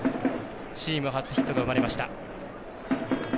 チーム初ヒットが生まれました。